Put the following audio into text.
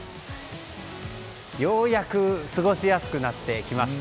ようやく過ごしやすくなってきました。